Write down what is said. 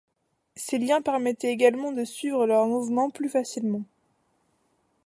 Ces liens permettaient également de suivre leurs mouvements plus facilement.